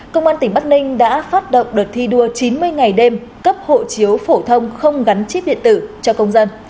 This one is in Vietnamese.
công an tỉnh bắc ninh đã phát động đợt thi đua chín mươi ngày đêm cấp hộ chiếu phổ thông không gắn chip điện tử cho công dân